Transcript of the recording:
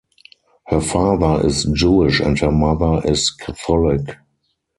Her father is Jewish and her mother is Catholic.